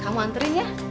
kamu anterin ya